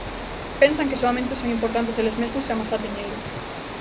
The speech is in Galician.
Pensan que soamente son importantes eles mesmos e amasar diñeiro.